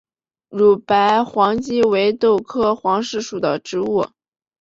乳白黄耆为豆科黄芪属的植物。